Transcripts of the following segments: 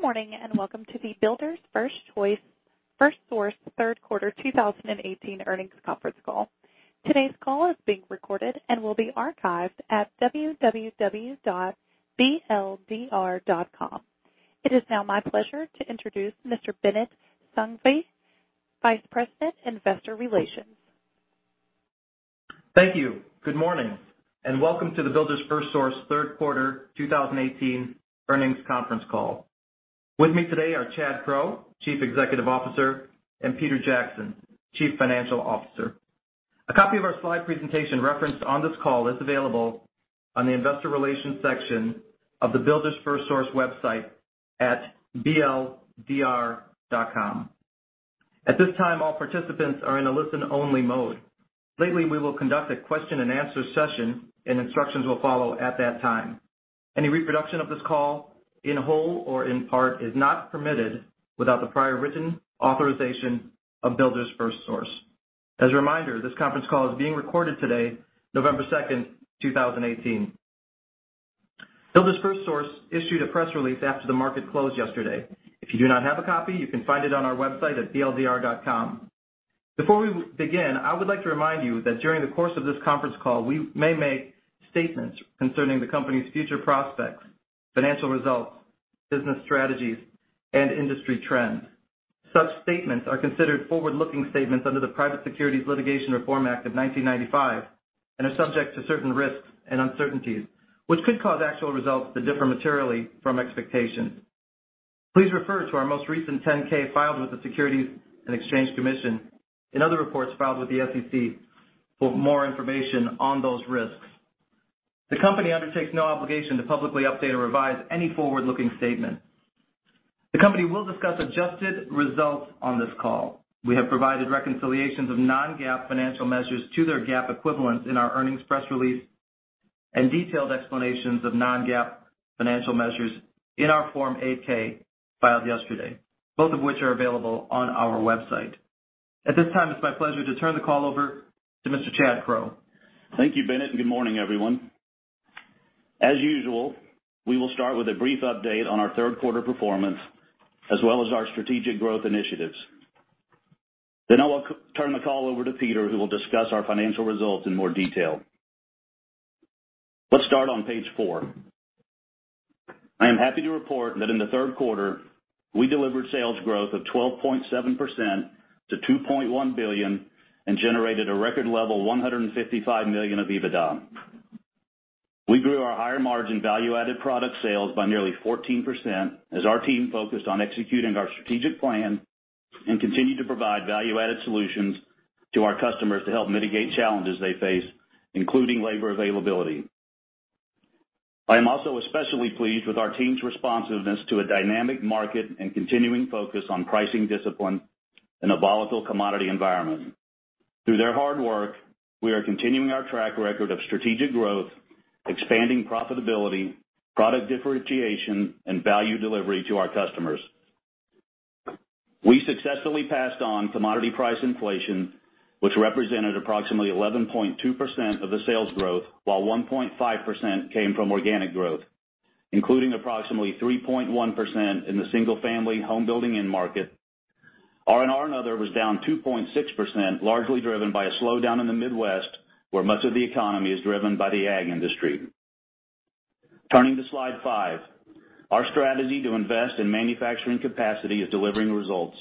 Good morning, welcome to the Builders FirstSource Third Quarter 2018 Earnings Conference Call. Today's call is being recorded and will be archived at bldr.com. It is now my pleasure to introduce Mr. B.M. Kakissian, Vice President, Investor Relations. Thank you. Good morning, welcome to the Builders FirstSource Third Quarter 2018 Earnings Conference Call. With me today are Chad Crow, Chief Executive Officer, and Peter Jackson, Chief Financial Officer. A copy of our slide presentation referenced on this call is available on the Investor Relations section of the Builders FirstSource website at bldr.com. At this time, all participants are in a listen-only mode. Later, we will conduct a question and answer session, instructions will follow at that time. Any reproduction of this call in whole or in part is not permitted without the prior written authorization of Builders FirstSource. As a reminder, this conference call is being recorded today, November 2nd, 2018. Builders FirstSource issued a press release after the market closed yesterday. If you do not have a copy, you can find it on our website at bldr.com. Before we begin, I would like to remind you that during the course of this conference call, we may make statements concerning the company's future prospects, financial results, business strategies, and industry trends. Such statements are considered forward-looking statements under the Private Securities Litigation Reform Act of 1995 and are subject to certain risks and uncertainties, which could cause actual results to differ materially from expectations. Please refer to our most recent 10-K filed with the Securities and Exchange Commission and other reports filed with the SEC for more information on those risks. The company undertakes no obligation to publicly update or revise any forward-looking statement. The company will discuss adjusted results on this call. We have provided reconciliations of non-GAAP financial measures to their GAAP equivalents in our earnings press release and detailed explanations of non-GAAP financial measures in our Form 8-K filed yesterday, both of which are available on our website. At this time, it's my pleasure to turn the call over to Mr. Chad Crow. Thank you, Bennett, and good morning, everyone. As usual, we will start with a brief update on our third quarter performance as well as our strategic growth initiatives. Then I will turn the call over to Peter, who will discuss our financial results in more detail. Let's start on page four. I am happy to report that in the third quarter, we delivered sales growth of 12.7% to $2.1 billion and generated a record level $155 million of EBITDA. We grew our higher-margin value-added product sales by nearly 14% as our team focused on executing our strategic plan and continued to provide value-added solutions to our customers to help mitigate challenges they face, including labor availability. I am also especially pleased with our team's responsiveness to a dynamic market and continuing focus on pricing discipline in a volatile commodity environment. Through their hard work, we are continuing our track record of strategic growth, expanding profitability, product differentiation, and value delivery to our customers. We successfully passed on commodity price inflation, which represented approximately 11.2% of the sales growth, while 1.5% came from organic growth, including approximately 3.1% in the single-family home building end market. R&R and other was down 2.6%, largely driven by a slowdown in the Midwest, where much of the economy is driven by the ag industry. Turning to slide five. Our strategy to invest in manufacturing capacity is delivering results.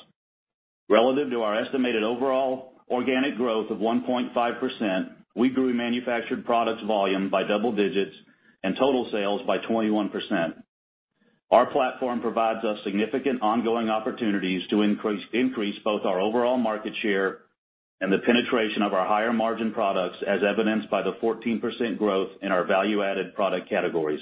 Relative to our estimated overall organic growth of 1.5%, we grew manufactured products volume by double digits and total sales by 21%. Our platform provides us significant ongoing opportunities to increase both our overall market share and the penetration of our higher-margin products, as evidenced by the 14% growth in our value-added product categories.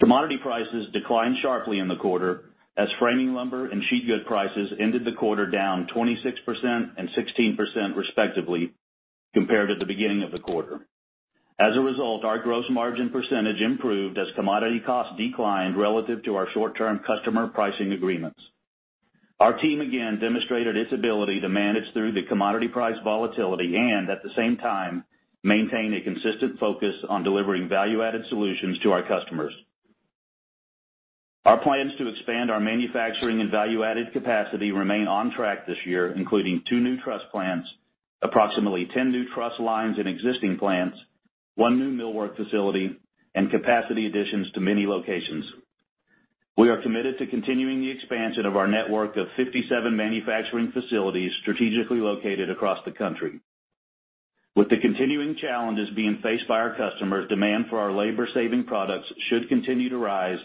Commodity prices declined sharply in the quarter as framing lumber and sheet good prices ended the quarter down 26% and 16%, respectively, compared to the beginning of the quarter. As a result, our gross margin percentage improved as commodity costs declined relative to our short-term customer pricing agreements. Our team again demonstrated its ability to manage through the commodity price volatility and at the same time maintain a consistent focus on delivering value-added solutions to our customers. Our plans to expand our manufacturing and value-added capacity remain on track this year, including two new truss plants, approximately 10 new truss lines in existing plants, one new millwork facility, and capacity additions to many locations. We are committed to continuing the expansion of our network of 57 manufacturing facilities strategically located across the country. With the continuing challenges being faced by our customers, demand for our labor-saving products should continue to rise,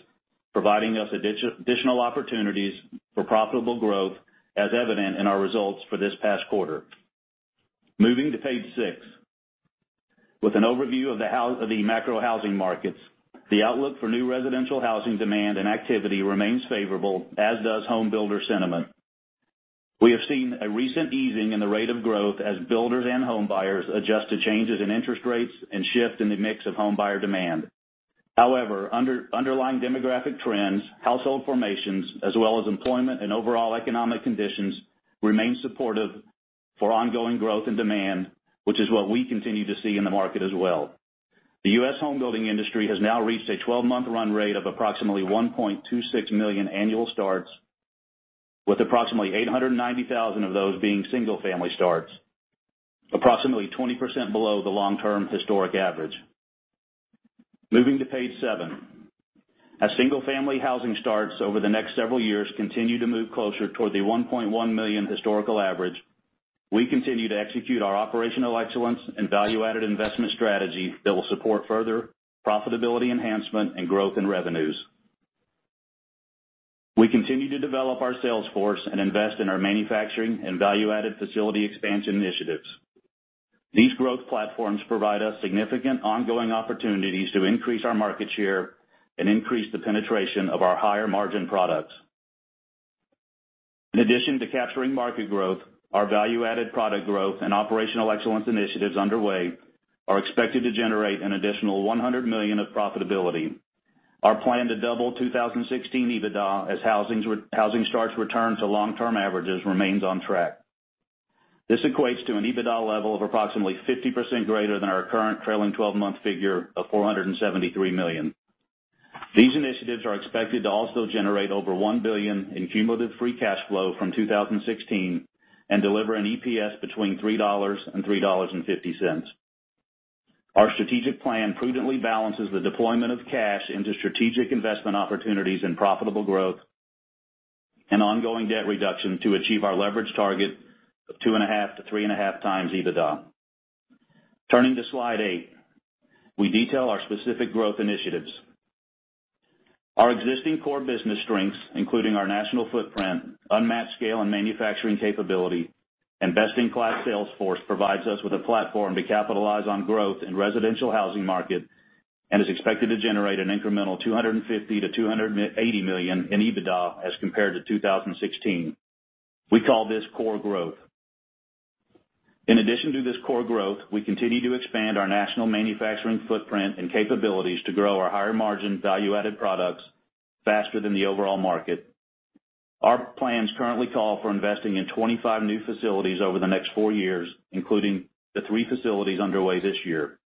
providing us additional opportunities for profitable growth, as evident in our results for this past quarter. Moving to page six. With an overview of the macro housing markets, the outlook for new residential housing demand and activity remains favorable, as does home builder sentiment. We have seen a recent easing in the rate of growth as builders and homebuyers adjust to changes in interest rates and shift in the mix of homebuyer demand. However, underlying demographic trends, household formations, as well as employment and overall economic conditions remain supportive for ongoing growth and demand, which is what we continue to see in the market as well. The U.S. home building industry has now reached a 12-month run rate of approximately 1.26 million annual starts with approximately 890,000 of those being single-family starts, approximately 20% below the long-term historic average. Moving to page seven. As single-family housing starts over the next several years continue to move closer toward the 1.1 million historical average, we continue to execute our operational excellence and value-added investment strategy that will support further profitability enhancement and growth in revenues. We continue to develop our sales force and invest in our manufacturing and value-added facility expansion initiatives. These growth platforms provide us significant ongoing opportunities to increase our market share and increase the penetration of our higher margin products. In addition to capturing market growth, our value-added product growth and operational excellence initiatives underway are expected to generate an additional $100 million of profitability. Our plan to double 2016 EBITDA as housing starts return to long-term averages remains on track. This equates to an EBITDA level of approximately 50% greater than our current trailing 12-month figure of $473 million. These initiatives are expected to also generate over $1 billion in cumulative free cash flow from 2016 and deliver an EPS between $3.00 and $3.50. Our strategic plan prudently balances the deployment of cash into strategic investment opportunities in profitable growth and ongoing debt reduction to achieve our leverage target of 2.5 to 3.5 times EBITDA. Turning to slide eight, we detail our specific growth initiatives. Our existing core business strengths, including our national footprint, unmatched scale and manufacturing capability, and best-in-class sales force provides us with a platform to capitalize on growth in residential housing market and is expected to generate an incremental $250 million-$280 million in EBITDA as compared to 2016. We call this core growth. In addition to this core growth, we continue to expand our national manufacturing footprint and capabilities to grow our higher margin value-added products faster than the overall market. Our plans currently call for investing in 25 new facilities over the next four years, including the three facilities underway this year.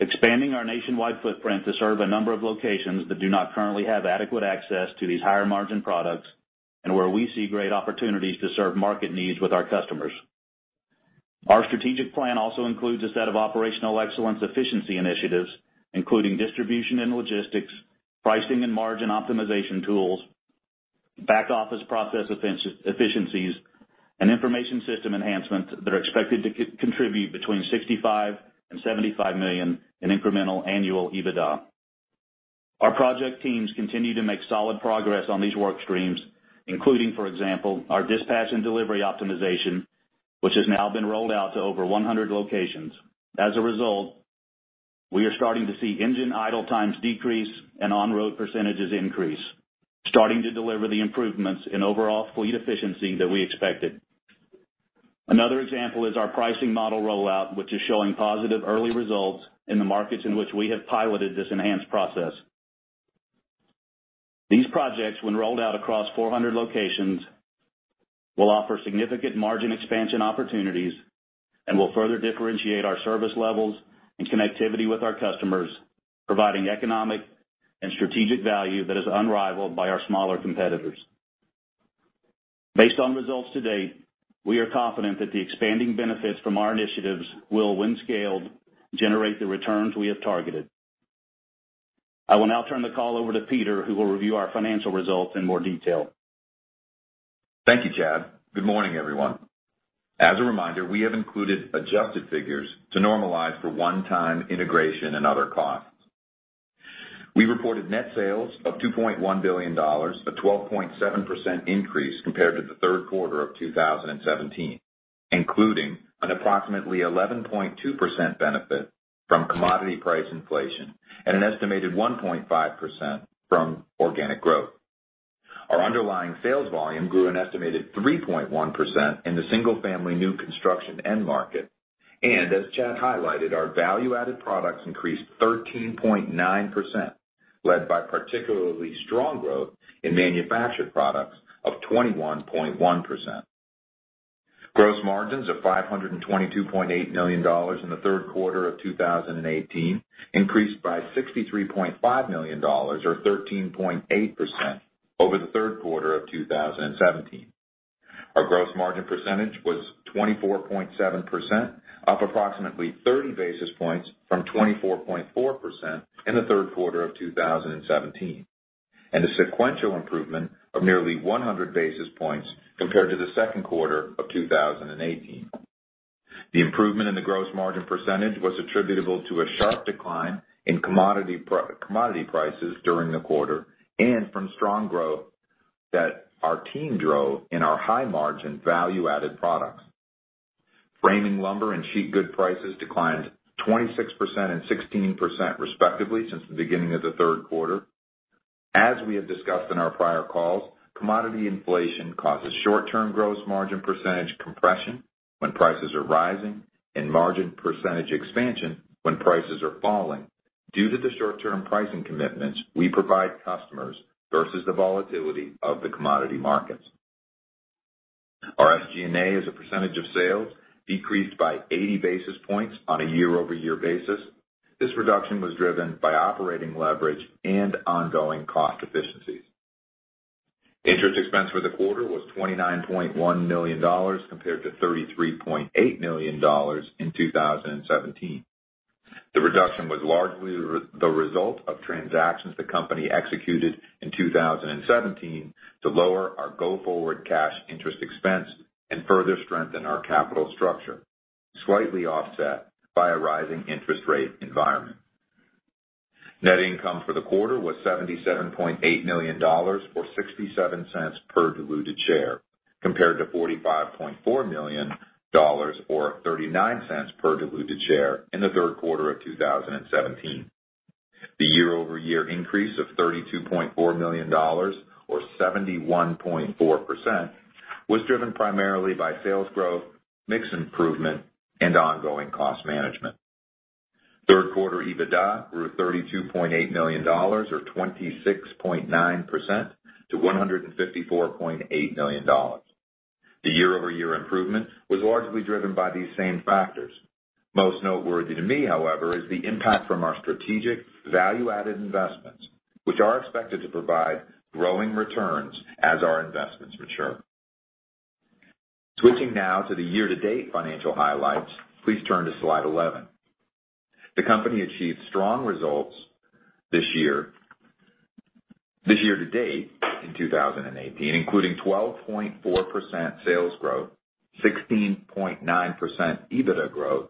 Expanding our nationwide footprint to serve a number of locations that do not currently have adequate access to these higher margin products and where we see great opportunities to serve market needs with our customers. Our strategic plan also includes a set of operational excellence efficiency initiatives, including distribution and logistics, pricing and margin optimization tools, back office process efficiencies, and information system enhancements that are expected to contribute between $65 million and $75 million in incremental annual EBITDA. Our project teams continue to make solid progress on these work streams, including, for example, our dispatch and delivery optimization, which has now been rolled out to over 100 locations. As a result, we are starting to see engine idle times decrease and on-road percentages increase, starting to deliver the improvements in overall fleet efficiency that we expected. Another example is our pricing model rollout, which is showing positive early results in the markets in which we have piloted this enhanced process. These projects, when rolled out across 400 locations, will offer significant margin expansion opportunities and will further differentiate our service levels and connectivity with our customers, providing economic and strategic value that is unrivaled by our smaller competitors. Based on results to date, we are confident that the expanding benefits from our initiatives will, when scaled, generate the returns we have targeted. I will now turn the call over to Peter, who will review our financial results in more detail. Thank you, Chad. Good morning, everyone. As a reminder, we have included adjusted figures to normalize for one-time integration and other costs. We reported net sales of $2.1 billion, a 12.7% increase compared to the third quarter of 2017, including an approximately 11.2% benefit from commodity price inflation and an estimated 1.5% from organic growth. Our underlying sales volume grew an estimated 3.1% in the single-family new construction end market. As Chad highlighted, our value-added products increased 13.9%, led by particularly strong growth in manufactured products of 21.1%. Gross margins of $522.8 million in the third quarter of 2018 increased by $63.5 million or 13.8% over the third quarter of 2017. Our gross margin percentage was 24.7%, up approximately 30 basis points from 24.4% in the third quarter of 2017, and a sequential improvement of nearly 100 basis points compared to the second quarter of 2018. The improvement in the gross margin percentage was attributable to a sharp decline in commodity prices during the quarter and from strong growth that our team drove in our high margin value-added products. Framing lumber and sheet good prices declined 26% and 16%, respectively, since the beginning of the third quarter. As we have discussed on our prior calls, commodity inflation causes short-term gross margin percentage compression when prices are rising and margin percentage expansion when prices are falling. Due to the short-term pricing commitments we provide customers versus the volatility of the commodity markets. Our SG&A as a percentage of sales decreased by 80 basis points on a year-over-year basis. This reduction was driven by operating leverage and ongoing cost efficiencies. Interest expense for the quarter was $29.1 million, compared to $33.8 million in 2017. The reduction was largely the result of transactions the company executed in 2017 to lower our go-forward cash interest expense and further strengthen our capital structure, slightly offset by a rising interest rate environment. Net income for the quarter was $77.8 million, or $0.67 per diluted share, compared to $45.4 million or $0.39 per diluted share in the third quarter of 2017. The year-over-year increase of $32.4 million, or 71.4%, was driven primarily by sales growth, mix improvement, and ongoing cost management. Third quarter EBITDA grew $32.8 million, or 26.9%, to $154.8 million. The year-over-year improvement was largely driven by these same factors. Most noteworthy to me, however, is the impact from our strategic value-added investments, which are expected to provide growing returns as our investments mature. Switching now to the year-to-date financial highlights, please turn to Slide 11. The company achieved strong results this year to date in 2018, including 12.4% sales growth, 16.9% EBITDA growth,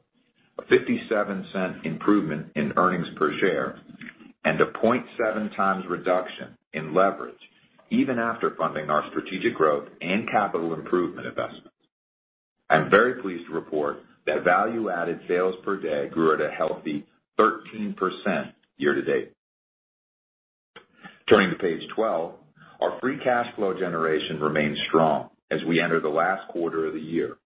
a $0.57 improvement in earnings per share, and a 0.7 times reduction in leverage, even after funding our strategic growth and capital improvement investments. I'm very pleased to report that value-added sales per day grew at a healthy 13% year to date. Turning to page 12, our free cash flow generation remains strong as we enter the last quarter of the year.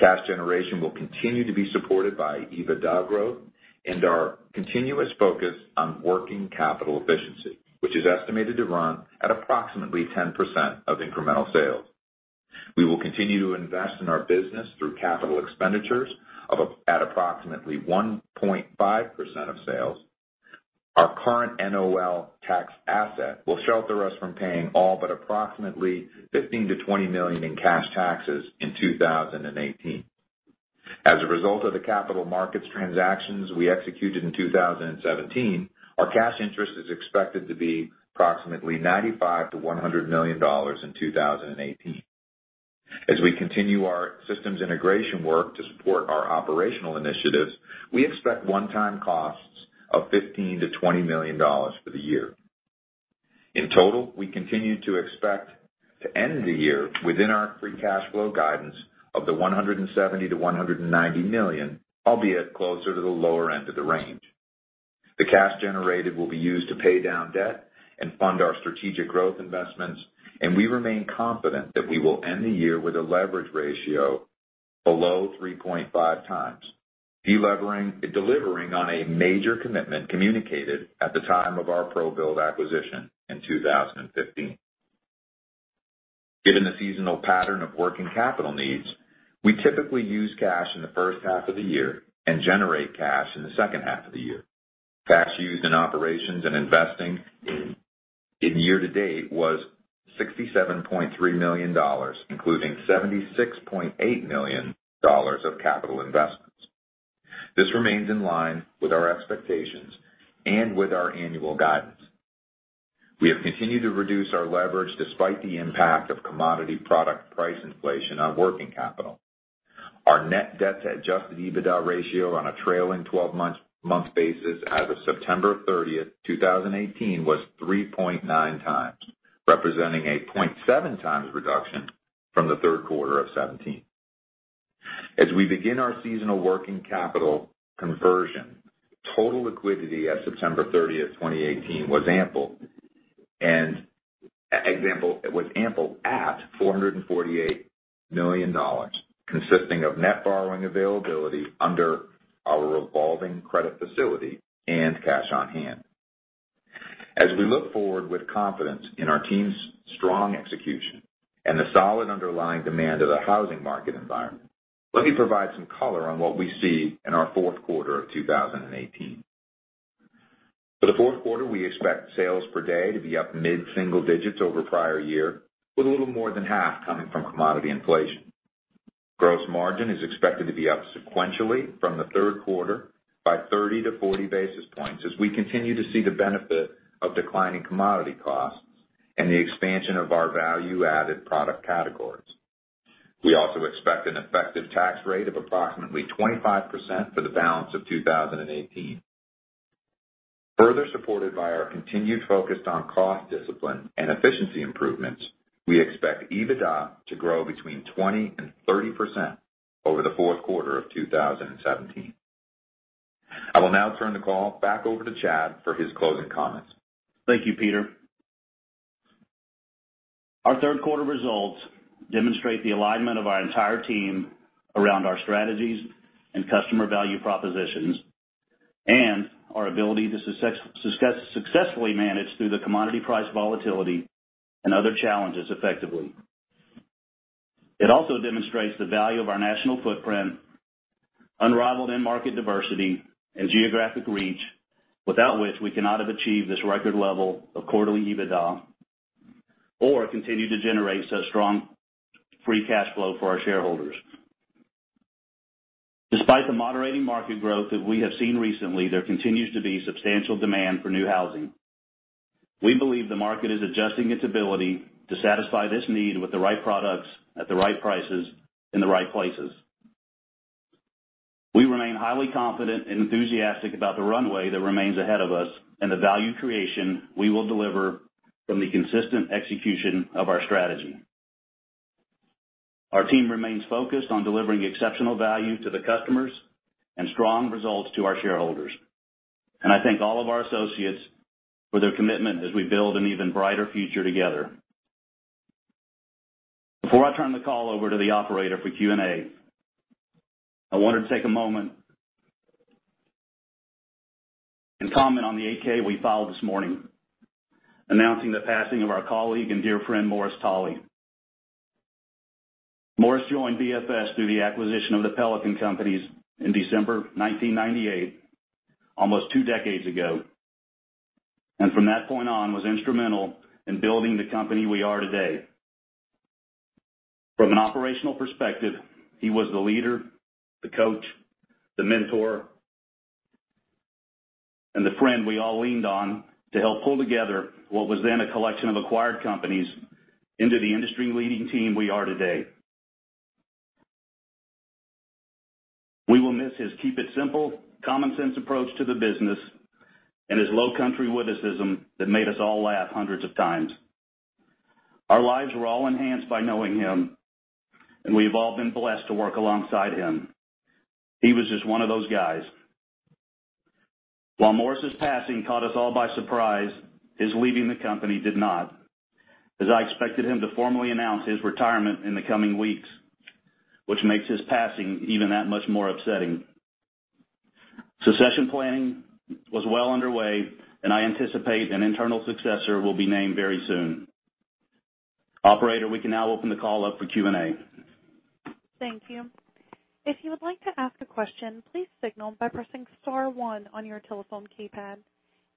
Cash generation will continue to be supported by EBITDA growth and our continuous focus on working capital efficiency, which is estimated to run at approximately 10% of incremental sales. We will continue to invest in our business through capital expenditures at approximately 1.5% of sales. Our current NOL tax asset will shelter us from paying all but approximately $15 million to $20 million in cash taxes in 2018. As a result of the capital markets transactions we executed in 2017, our cash interest is expected to be approximately $95 million to $100 million in 2018. As we continue our systems integration work to support our operational initiatives, we expect one-time costs of $15 million to $20 million for the year. In total, we continue to expect to end the year within our free cash flow guidance of the $170 million to $190 million, albeit closer to the lower end of the range. The cash generated will be used to pay down debt and fund our strategic growth investments, and we remain confident that we will end the year with a leverage ratio below 3.5 times, delivering on a major commitment communicated at the time of our ProBuild acquisition in 2015. Given the seasonal pattern of working capital needs, we typically use cash in the first half of the year and generate cash in the second half of the year. Cash used in operations and investing in year to date was $67.3 million, including $76.8 million of capital investments. This remains in line with our expectations and with our annual guidance. We have continued to reduce our leverage despite the impact of commodity product price inflation on working capital. Our net debt to adjusted EBITDA ratio on a trailing 12-month basis as of September 30th, 2018, was 3.9 times, representing a 0.7 times reduction from the third quarter of 2017. As we begin our seasonal working capital conversion, total liquidity at September 30th, 2018 was ample at $448 million, consisting of net borrowing availability under our revolving credit facility and cash on hand. As we look forward with confidence in our team's strong execution and the solid underlying demand of the housing market environment, let me provide some color on what we see in our fourth quarter of 2018. For the fourth quarter, we expect sales per day to be up mid-single digits over prior year, with a little more than half coming from commodity inflation. Gross margin is expected to be up sequentially from the third quarter by 30 to 40 basis points as we continue to see the benefit of declining commodity costs and the expansion of our value-added product categories. We also expect an effective tax rate of approximately 25% for the balance of 2018. Further supported by our continued focus on cost discipline and efficiency improvements, we expect EBITDA to grow between 20% and 30% over the fourth quarter of 2017. I will now turn the call back over to Chad for his closing comments. Thank you, Peter. Our third quarter results demonstrate the alignment of our entire team around our strategies and customer value propositions, and our ability to successfully manage through the commodity price volatility and other challenges effectively. It also demonstrates the value of our national footprint, unrivaled in-market diversity, and geographic reach, without which we could not have achieved this record level of quarterly EBITDA or continued to generate such strong free cash flow for our shareholders. Despite the moderating market growth that we have seen recently, there continues to be substantial demand for new housing. We believe the market is adjusting its ability to satisfy this need with the right products, at the right prices, in the right places. We remain highly confident and enthusiastic about the runway that remains ahead of us and the value creation we will deliver from the consistent execution of our strategy. Our team remains focused on delivering exceptional value to the customers and strong results to our shareholders, and I thank all of our associates for their commitment as we build an even brighter future together. Before I turn the call over to the operator for Q&A, I wanted to take a moment and comment on the 8-K we filed this morning announcing the passing of our colleague and dear friend, Morris Tolly. Morris joined BFS through the acquisition of the Pelican Companies in December 1998, almost two decades ago, and from that point on, was instrumental in building the company we are today. From an operational perspective, he was the leader, the coach, the mentor, and the friend we all leaned on to help pull together what was then a collection of acquired companies into the industry-leading team we are today. We will miss his keep-it-simple, common-sense approach to the business and his Lowcountry witticism that made us all laugh hundreds of times. Our lives were all enhanced by knowing him, and we've all been blessed to work alongside him. He was just one of those guys. While Morris's passing caught us all by surprise, his leaving the company did not, as I expected him to formally announce his retirement in the coming weeks, which makes his passing even that much more upsetting. Succession planning was well underway, and I anticipate an internal successor will be named very soon. Operator, we can now open the call up for Q&A. Thank you. If you would like to ask a question, please signal by pressing star one on your telephone keypad.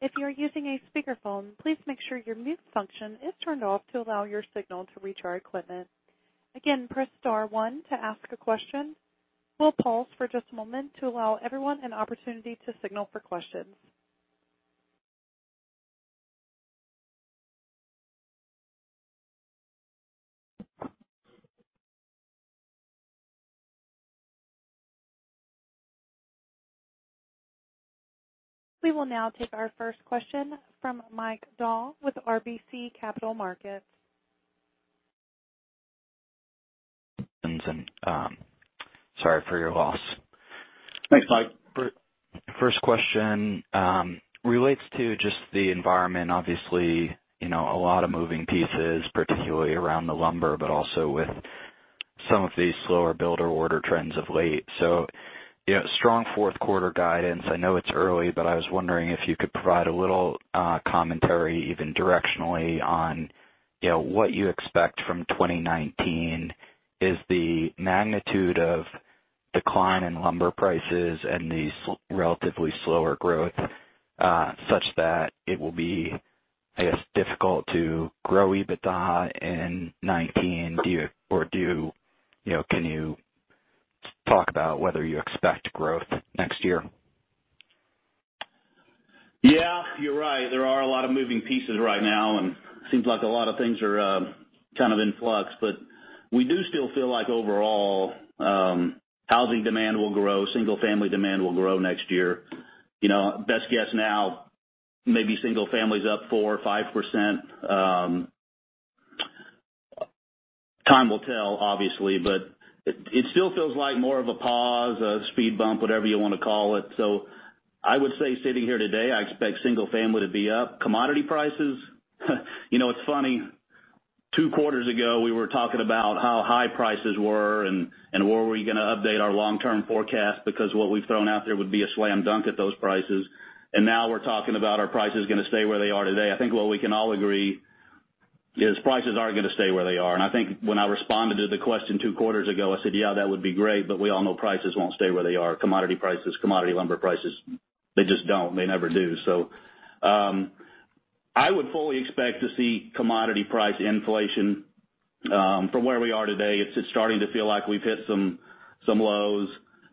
If you are using a speakerphone, please make sure your mute function is turned off to allow your signal to reach our equipment. Again, press star one to ask a question. We'll pause for just a moment to allow everyone an opportunity to signal for questions. We will now take our first question from Michael Dahl with RBC Capital Markets. Sorry for your loss. Thanks, Mike. First question relates to just the environment. Obviously, a lot of moving pieces, particularly around the lumber, but also with some of these slower builder order trends of late. Strong fourth quarter guidance. I know it's early, but I was wondering if you could provide a little commentary, even directionally, on what you expect from 2019. Is the magnitude of decline in lumber prices and the relatively slower growth such that it will be difficult to grow EBITDA in 2019? Can you talk about whether you expect growth next year? Yeah. You're right. There are a lot of moving pieces right now, and seems like a lot of things are kind of in flux. We do still feel like overall, housing demand will grow, single-family demand will grow next year. Best guess now, maybe single family's up 4% or 5%. Time will tell, obviously, but it still feels like more of a pause, a speed bump, whatever you want to call it. I would say, sitting here today, I expect single family to be up. Commodity prices. It's funny, two quarters ago, we were talking about how high prices were and were we going to update our long-term forecast because what we've thrown out there would be a slam dunk at those prices. Now we're talking about are prices going to stay where they are today? I think what we can all agree is prices aren't going to stay where they are. I think when I responded to the question two quarters ago, I said, "Yeah, that would be great," but we all know prices won't stay where they are. Commodity prices, commodity lumber prices, they just don't. They never do. I would fully expect to see commodity price inflation from where we are today. It's just starting to feel like we've hit some lows.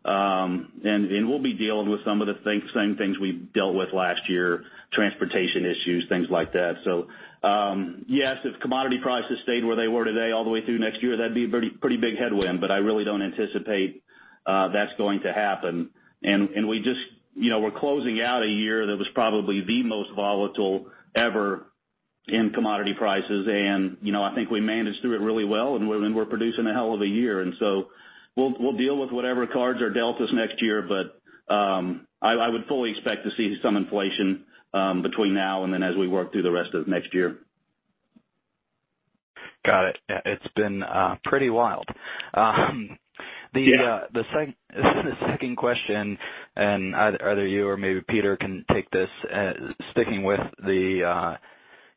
We'll be dealing with some of the same things we dealt with last year, transportation issues, things like that. Yes, if commodity prices stayed where they were today all the way through next year, that'd be a pretty big headwind, but I really don't anticipate that's going to happen. We're closing out a year that was probably the most volatile ever in commodity prices, and I think we managed through it really well and we're producing a hell of a year. We'll deal with whatever cards are dealt us next year. I would fully expect to see some inflation between now and then as we work through the rest of next year. Got it. Yeah, it's been pretty wild. Yeah. The second question, and either you or maybe Peter can take this, sticking with the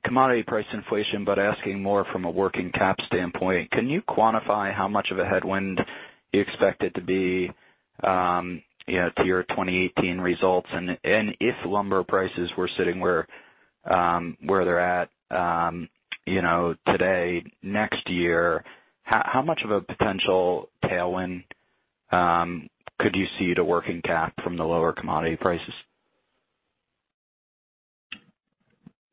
commodity price inflation, but asking more from a working cap standpoint, can you quantify how much of a headwind you expect it to be to your 2018 results? If lumber prices were sitting where they're at today, next year, how much of a potential tailwind could you see to working cap from the lower commodity prices?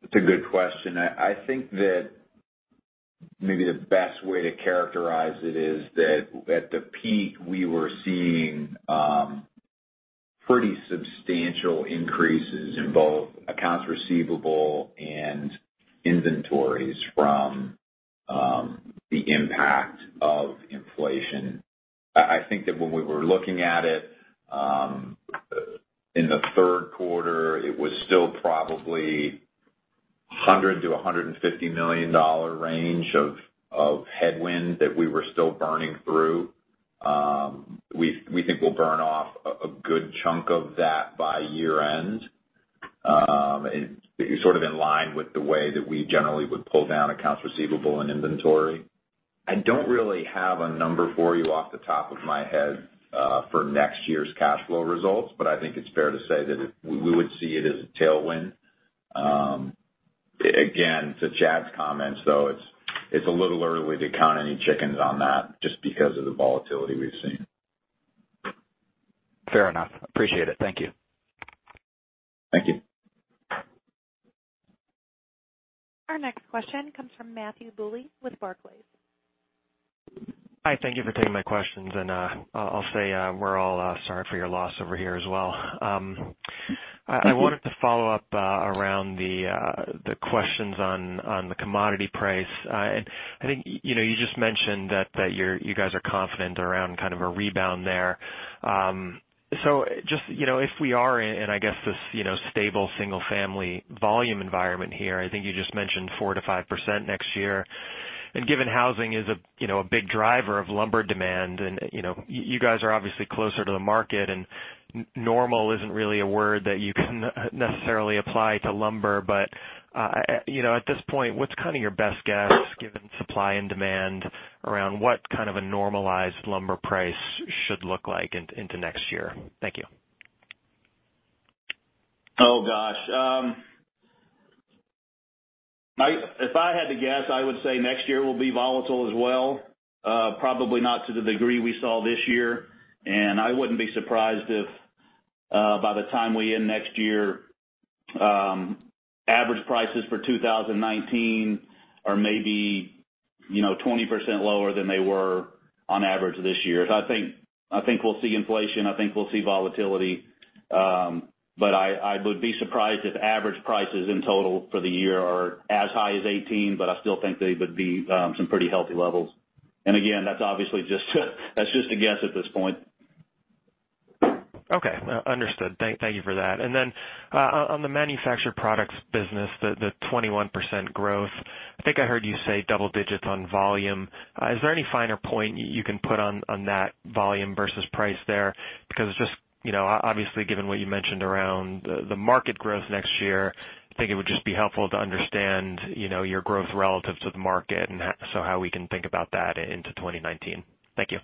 That's a good question. I think that maybe the best way to characterize it is that at the peak, we were seeing pretty substantial increases in both accounts receivable and inventories from the impact of inflation. I think that when we were looking at it in the third quarter, it was still probably $100 million-$150 million range of headwind that we were still burning through. We think we'll burn off a good chunk of that by year end, sort of in line with the way that we generally would pull down accounts receivable and inventory. I don't really have a number for you off the top of my head for next year's cash flow results, but I think it's fair to say that we would see it as a tailwind. Again, to Chad's comments, though, it's a little early to count any chickens on that just because of the volatility we've seen. Fair enough. Appreciate it. Thank you. Thank you. Our next question comes from Matthew Bouley with Barclays. Hi. Thank you for taking my questions. I'll say, we're all sorry for your loss over here as well. I wanted to follow up around the questions on the commodity price. I think you just mentioned that you guys are confident around kind of a rebound there. Just if we are in, I guess, this stable single-family volume environment here, I think you just mentioned 4%-5% next year, and given housing is a big driver of lumber demand, and you guys are obviously closer to the market, and normal isn't really a word that you can necessarily apply to lumber. At this point, what's kind of your best guess, given supply and demand, around what kind of a normalized lumber price should look like into next year? Thank you. Oh, gosh. If I had to guess, I would say next year will be volatile as well. Probably not to the degree we saw this year, I wouldn't be surprised if by the time we end next year, average prices for 2019 are maybe 20% lower than they were on average this year. I think we'll see inflation, I think we'll see volatility. I would be surprised if average prices in total for the year are as high as 2018, but I still think they would be some pretty healthy levels. Again, that's obviously just a guess at this point. Okay. Understood. Thank you for that. On the manufactured products business, the 21% growth, I think I heard you say double digits on volume. Is there any finer point you can put on that volume versus price there? Obviously, given what you mentioned around the market growth next year, I think it would just be helpful to understand your growth relative to the market and so how we can think about that into 2019. Thank you.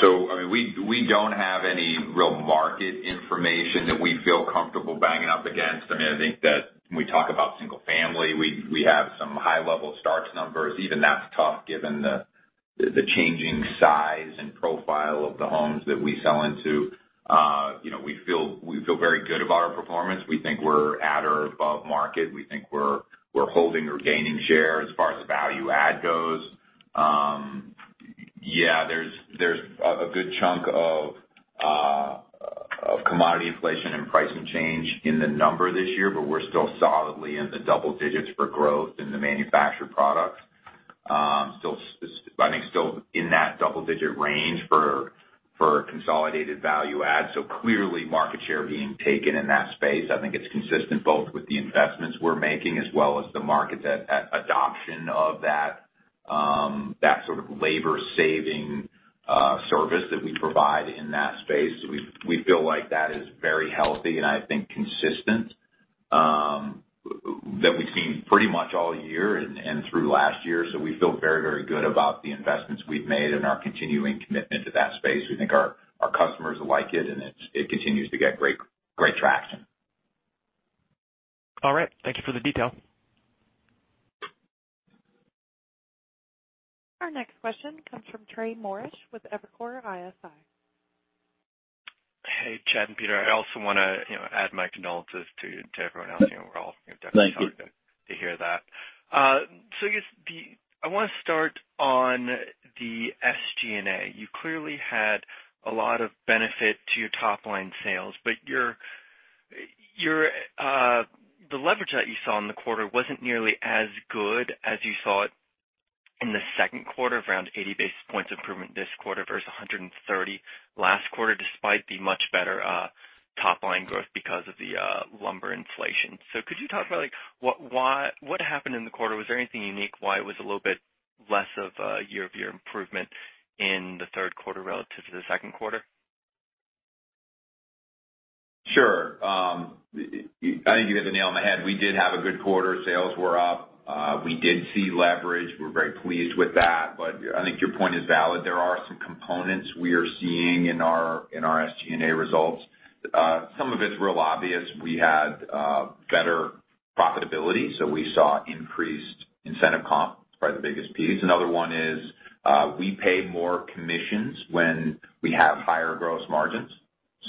We don't have any real market information that we feel comfortable banging up against. I think that when we talk about single family, we have some high-level starts numbers. Even that's tough given the changing size and profile of the homes that we sell into. We feel very good about our performance. We think we're at or above market. We think we're holding or gaining share as far as the value add goes. Yeah, there's a good chunk of commodity inflation and pricing change in the number this year, but we're still solidly in the double digits for growth in the manufactured products. I think still in that double-digit range for consolidated value add, so clearly market share being taken in that space. I think it's consistent both with the investments we're making as well as the market adoption of that sort of labor-saving service that we provide in that space. We feel like that is very healthy and I think consistent, that we've seen pretty much all year and through last year. We feel very, very good about the investments we've made and our continuing commitment to that space. We think our customers like it, and it continues to get great traction. All right. Thank you for the detail. Our next question comes from Trey Morrish with Evercore ISI. Hey, Chad and Peter. I also want to add my condolences to everyone else. We're all definitely. Thank you. Sorry to hear that. I guess I want to start on the SG&A. You clearly had a lot of benefit to your top-line sales. The leverage that you saw in the quarter wasn't nearly as good as you saw it in the second quarter, around 80 basis points improvement this quarter versus 130 last quarter, despite the much better top-line growth because of the lumber inflation. Could you talk about what happened in the quarter? Was there anything unique why it was a little bit less of a year-over-year improvement in the third quarter relative to the second quarter? Sure. I think you hit the nail on the head. We did have a good quarter. Sales were up. We did see leverage. We're very pleased with that. I think your point is valid. There are some components we are seeing in our SG&A results. Some of it's real obvious. We had better profitability, we saw increased incentive comp. That's probably the biggest piece. Another one is we pay more commissions when we have higher gross margins.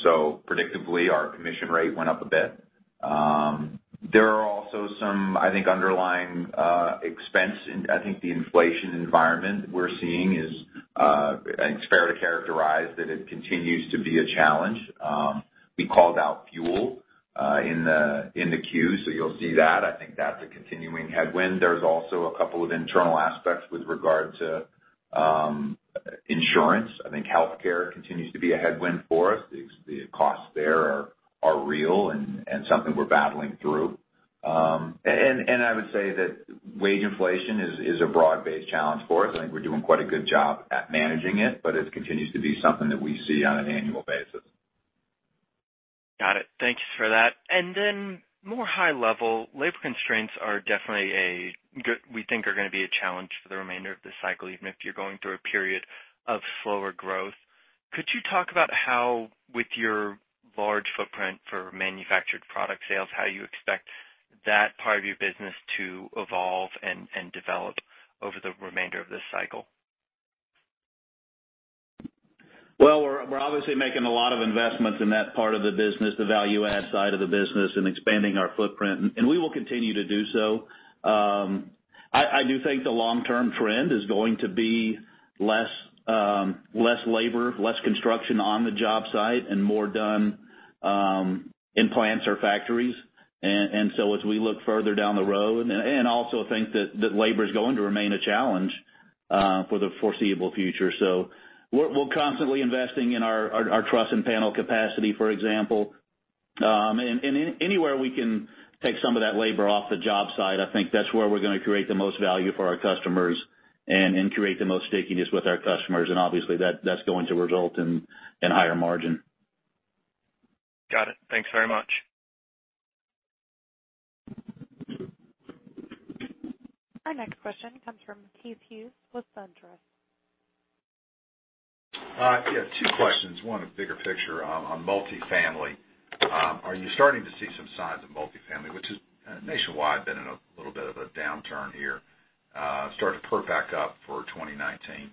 Predictably, our commission rate went up a bit. There are also some, I think, underlying expense. I think the inflation environment we're seeing is, I think it's fair to characterize that it continues to be a challenge. We called out fuel in the Q, you'll see that. I think that's a continuing headwind. There's also a couple of internal aspects with regard to insurance. I think healthcare continues to be a headwind for us. The costs there are real and something we're battling through. I would say that wage inflation is a broad-based challenge for us. I think we're doing quite a good job at managing it continues to be something that we see on an annual basis. Got it. Thank you for that. More high level, labor constraints, we think are going to be a challenge for the remainder of this cycle, even if you're going through a period of slower growth. Could you talk about how, with your large footprint for manufactured product sales, how you expect that part of your business to evolve and develop over the remainder of this cycle? Well, we're obviously making a lot of investments in that part of the business, the value add side of the business, and expanding our footprint, and we will continue to do so. I do think the long-term trend is going to be less labor, less construction on the job site, and more done in plants or factories. As we look further down the road, and also think that labor's going to remain a challenge for the foreseeable future. We're constantly investing in our truss and panel capacity, for example, and anywhere we can take some of that labor off the job site, I think that's where we're going to create the most value for our customers and create the most stickiness with our customers. Obviously that's going to result in higher margin. Got it. Thanks very much. Our next question comes from Keith Hughes with SunTrust. Yeah, two questions. One, a bigger picture on multi-family. Are you starting to see some signs of multi-family, which is nationwide, been in a little bit of a downturn here, start to perk back up for 2019?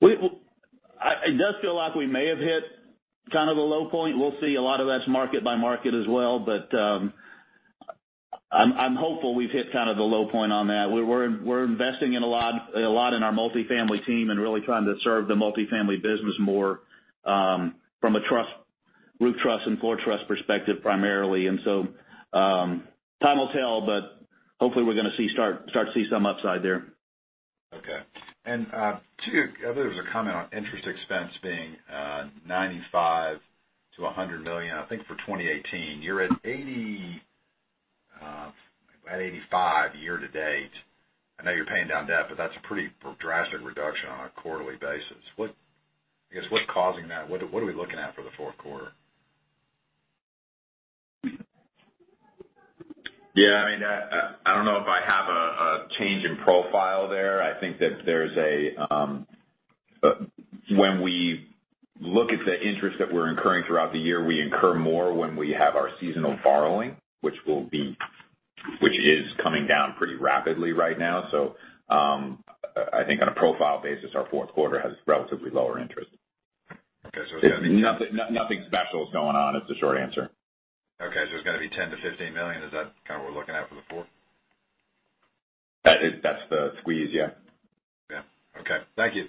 It does feel like we may have hit kind of a low point. We'll see. A lot of that's market by market as well. I'm hopeful we've hit kind of the low point on that. We're investing in a lot in our multi-family team and really trying to serve the multi-family business more, from a roof truss and floor truss perspective primarily. Time will tell, but hopefully we're going to start to see some upside there. Okay. Two, I believe there was a comment on interest expense being $95 million-$100 million, I think for 2018. You're at $80, about $85 year to date. I know you're paying down debt, that's a pretty drastic reduction on a quarterly basis. I guess, what's causing that? What are we looking at for the fourth quarter? Yeah, I don't know if I have a change in profile there. I think that when we look at the interest that we're incurring throughout the year, we incur more when we have our seasonal borrowing, which is coming down pretty rapidly right now. I think on a profile basis, our fourth quarter has relatively lower interest. Okay, it's going to be- Nothing special is going on is the short answer. Okay. There's going to be $10 million-$15 million. Is that kind of what we're looking at for the fourth? That's the squeeze, yeah. Yeah. Okay. Thank you.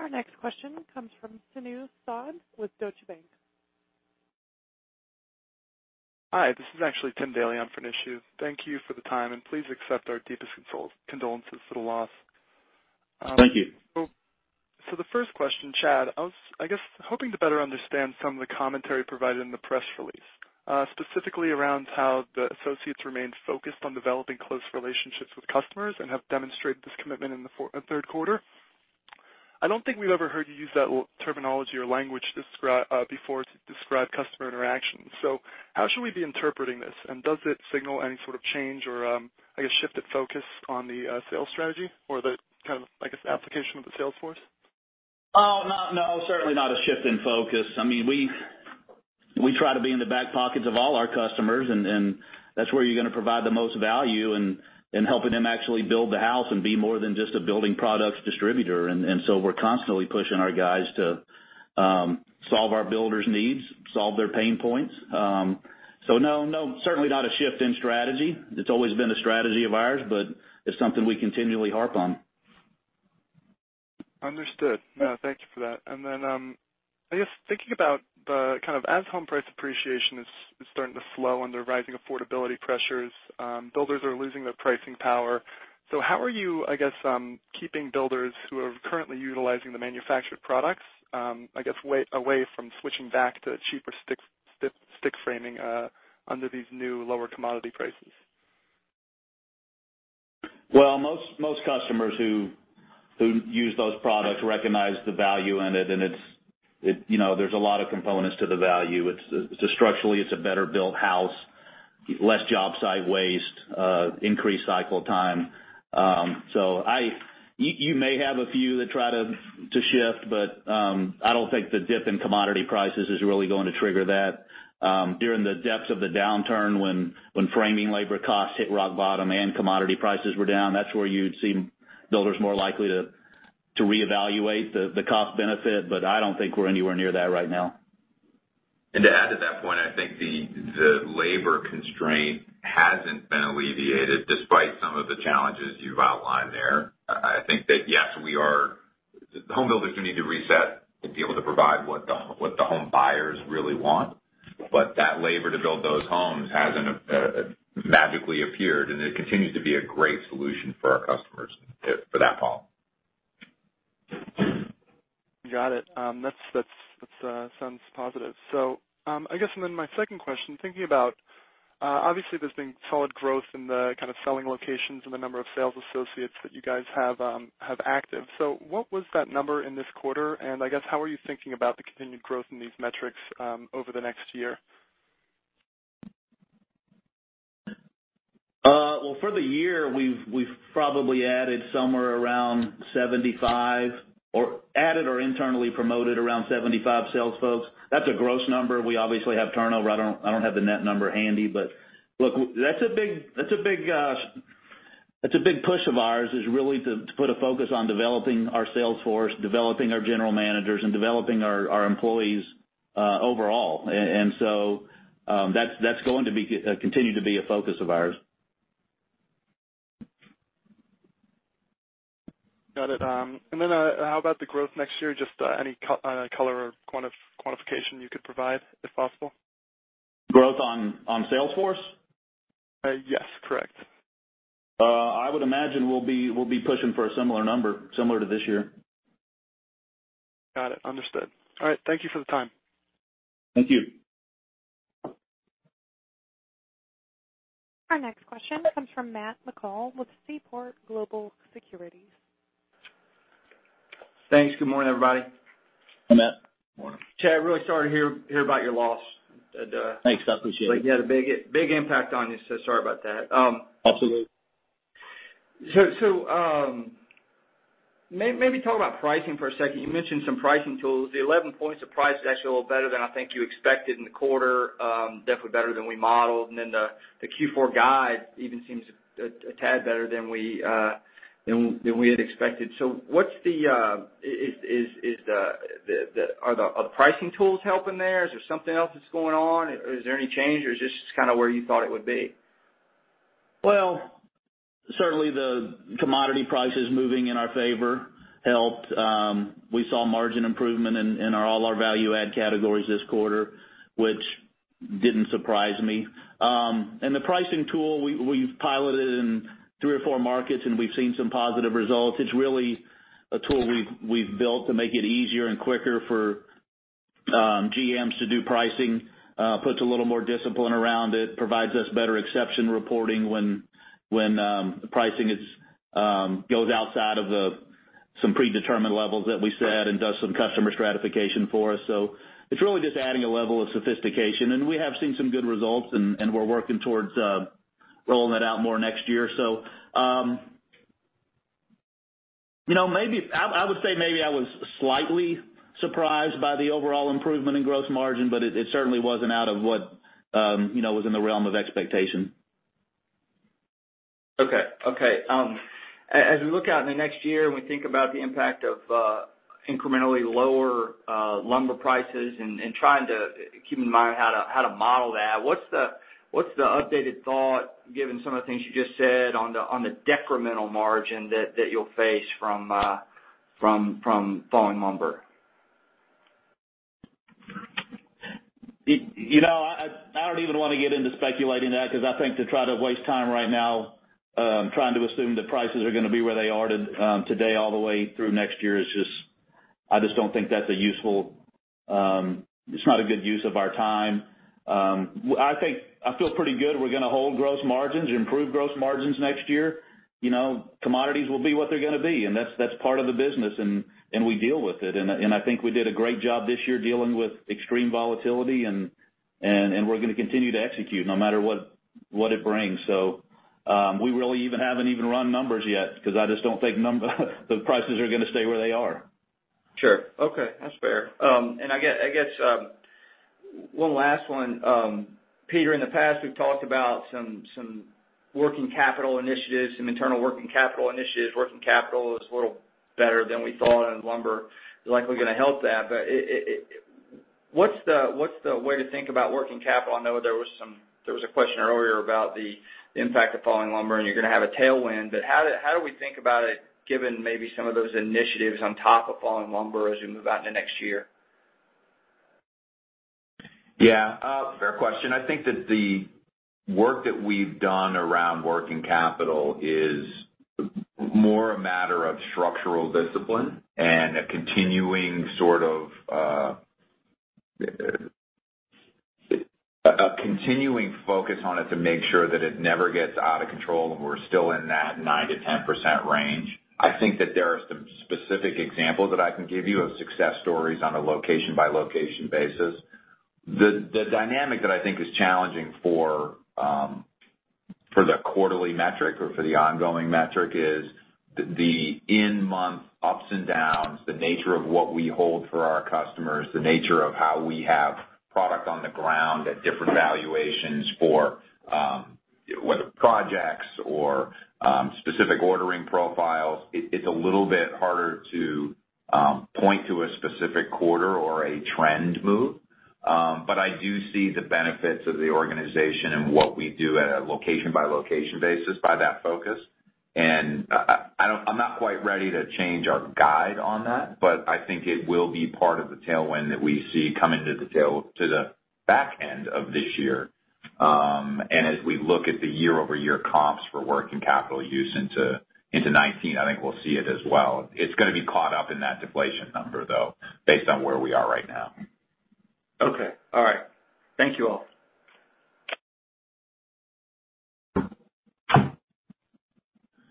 Our next question comes from Nishu Sood with Deutsche Bank. Hi, this is actually in for Nishu. Thank you for the time, and please accept our deepest condolences for the loss. Thank you. The first question, Chad, I was, I guess, hoping to better understand some of the commentary provided in the press release, specifically around how the associates remain focused on developing close relationships with customers and have demonstrated this commitment in the third quarter. I don't think we've ever heard you use that terminology or language before to describe customer interactions. How should we be interpreting this? Does it signal any sort of change or, I guess, shifted focus on the sales strategy or the, kind of, I guess, application of the sales force? No. Certainly not a shift in focus. We try to be in the back pockets of all our customers, and that's where you're going to provide the most value helping them actually build the house and be more than just a building products distributor. We're constantly pushing our guys to solve our builders' needs, solve their pain points. No, certainly not a shift in strategy. It's always been a strategy of ours, but it's something we continually harp on. Understood. No, thank you for that. I guess thinking about the kind of as home price appreciation is starting to slow under rising affordability pressures, builders are losing their pricing power. How are you, I guess, keeping builders who are currently utilizing the manufactured products, I guess, away from switching back to cheaper stick framing under these new lower commodity prices? Well, most customers who use those products recognize the value in it, and there's a lot of components to the value. Structurally, it's a better-built house, less job site waste, increased cycle time. You may have a few that try to shift, but I don't think the dip in commodity prices is really going to trigger that. During the depths of the downturn, when framing labor costs hit rock bottom and commodity prices were down, that's where you'd see builders more likely to reevaluate the cost benefit. I don't think we're anywhere near that right now. To add to that point, I think the labor constraint hasn't been alleviated despite some of the challenges you've outlined there. I think that, yes, the home builders do need to reset to be able to provide what the home buyers really want. That labor to build those homes hasn't magically appeared, and it continues to be a great solution for our customers for that problem. Got it. That sounds positive. I guess, my second question, thinking about, obviously, there's been solid growth in the kind of selling locations and the number of sales associates that you guys have active. What was that number in this quarter, I guess, how are you thinking about the continued growth in these metrics over the next year? For the year, we've probably added somewhere around 75, or added or internally promoted around 75 sales folks. That's a gross number. We obviously have turnover. I don't have the net number handy, but look, that's a big push of ours, is really to put a focus on developing our sales force, developing our general managers, and developing our employees overall. That's going to continue to be a focus of ours. Got it. How about the growth next year? Just any color or quantification you could provide, if possible? Growth on sales force? Yes, correct. I would imagine we'll be pushing for a similar number, similar to this year. Got it. Understood. All right. Thank you for the time. Thank you. Our next question comes from Matt McCall with Seaport Global Securities. Thanks. Good morning, everybody. Hey, Matt. Morning. Chad, really sorry to hear about your loss. Thanks. I appreciate it. It had a big impact on you, Sorry about that. Absolutely. Maybe talk about pricing for a second. You mentioned some pricing tools. The 11 points of price is actually a little better than I think you expected in the quarter. Definitely better than we modeled, then the Q4 guide even seems a tad better than we had expected. Are the pricing tools helping there? Is there something else that's going on? Is there any change, or is this just kind of where you thought it would be? Certainly the commodity prices moving in our favor helped. We saw margin improvement in all our value-add categories this quarter, which didn't surprise me. The pricing tool, we've piloted in three or four markets, and we've seen some positive results. It's really a tool we've built to make it easier and quicker for GMs to do pricing. Puts a little more discipline around it, provides us better exception reporting when the pricing goes outside of some predetermined levels that we set and does some customer stratification for us. It's really just adding a level of sophistication, and we have seen some good results, and we're working towards rolling that out more next year. I would say maybe I was slightly surprised by the overall improvement in gross margin, but it certainly wasn't out of what was in the realm of expectation. Okay. As we look out in the next year and we think about the impact of incrementally lower lumber prices and trying to keep in mind how to model that, what's the updated thought, given some of the things you just said on the decremental margin that you'll face from falling lumber? I don't even want to get into speculating that because I think to try to waste time right now, trying to assume the prices are going to be where they are today all the way through next year, I just don't think it's not a good use of our time. I feel pretty good we're going to hold gross margins, improve gross margins next year. Commodities will be what they're going to be, and that's part of the business, and we deal with it. I think we did a great job this year dealing with extreme volatility and we're going to continue to execute no matter what it brings. We really haven't even run numbers yet because I just don't think the prices are going to stay where they are. Sure. Okay. That's fair. I guess One last one. Peter, in the past, we've talked about some working capital initiatives, some internal working capital initiatives. Working capital is a little better than we thought, and lumber is likely going to help that. What's the way to think about working capital? I know there was a question earlier about the impact of falling lumber, and you're going to have a tailwind, but how do we think about it given maybe some of those initiatives on top of falling lumber as we move out into next year? Yeah. Fair question. I think that the work that we've done around working capital is more a matter of structural discipline and a continuing focus on it to make sure that it never gets out of control, and we're still in that 9%-10% range. I think that there are some specific examples that I can give you of success stories on a location-by-location basis. The dynamic that I think is challenging for the quarterly metric or for the ongoing metric is the in-month ups and downs, the nature of what we hold for our customers, the nature of how we have product on the ground at different valuations for whether projects or specific ordering profiles. It's a little bit harder to point to a specific quarter or a trend move. I do see the benefits of the organization and what we do at a location-by-location basis by that focus. I'm not quite ready to change our guide on that, but I think it will be part of the tailwind that we see coming to the back end of this year. As we look at the year-over-year comps for working capital use into 2019, I think we'll see it as well. It's going to be caught up in that deflation number, though, based on where we are right now. Okay. All right. Thank you all.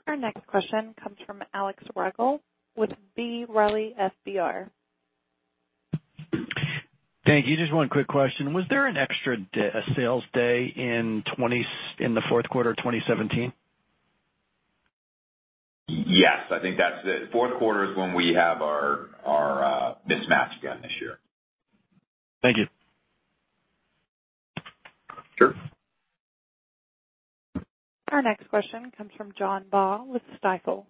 Our next question comes from Alex Rygiel with B. Riley FBR. Thank you. Just one quick question. Was there an extra sales day in the fourth quarter of 2017? Yes, I think that's it. Fourth quarter is when we have our mismatch again this year. Thank you. Sure. Our next question comes from John Baugh with Stifel.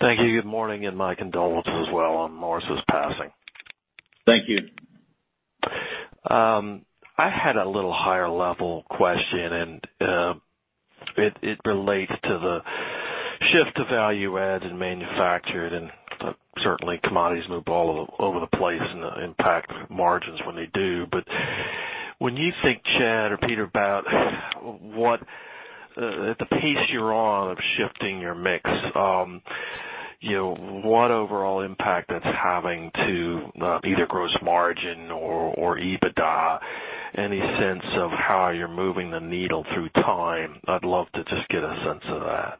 Thank you. Good morning, and my condolences as well on Morris's passing. Thank you. I had a little higher-level question, and it relates to the shift to value add and manufactured, and certainly, commodities move all over the place and impact margins when they do. When you think, Chad or Peter, about the pace you're on of shifting your mix, what overall impact that's having to either gross margin or EBITDA? Any sense of how you're moving the needle through time? I'd love to just get a sense of that.